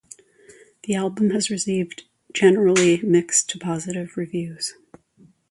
The album has received generally mixed to positive reviews.